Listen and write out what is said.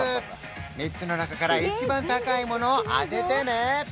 ３つの中から一番高いものを当ててね